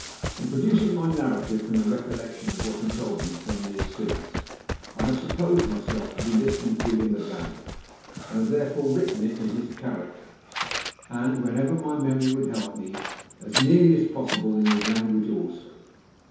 In producing my narrative from the recollection of what he told me some years since, I have supposed myself to be listening to him again, and have therefore written in his character, and, whenever my memory would help me, as nearly as possible in his language also.